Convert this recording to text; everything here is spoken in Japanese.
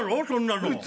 そんなの。